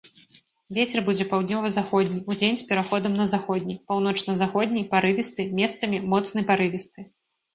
Вецер будзе паўднёва-заходні, удзень з пераходам на заходні, паўночна-заходні, парывісты, месцамі моцны парывісты.